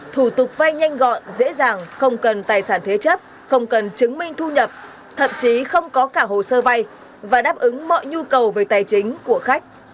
thủ tục vay nhanh gọn dễ dàng không cần tài sản thế chấp không cần chứng minh thu nhập thậm chí không có cả hồ sơ vay và đáp ứng mọi nhu cầu về tài chính của khách